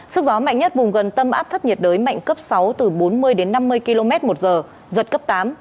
sức gió mạnh nhất vùng gần tâm áp thấp nhiệt đới mạnh cấp sáu từ bốn mươi đến năm mươi km một giờ giật cấp tám